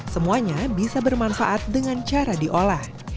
semuanya bisa bermanfaat dengan cara diolah